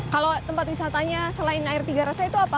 kalau tempat wisatanya selain r tiga itu apa